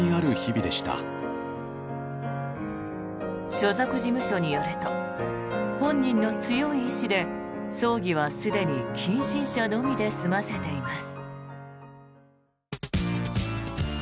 所属事務所によると本人の強い意思で葬儀は、すでに近親者のみで済ませています。